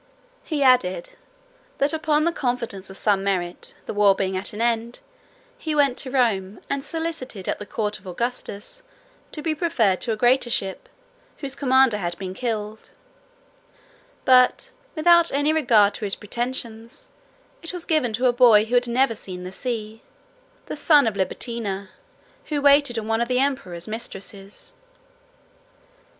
He added, "that upon the confidence of some merit, the war being at an end, he went to Rome, and solicited at the court of Augustus to be preferred to a greater ship, whose commander had been killed; but, without any regard to his pretensions, it was given to a boy who had never seen the sea, the son of Libertina, who waited on one of the emperor's mistresses.